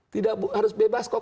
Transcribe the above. tidak harus bebas kok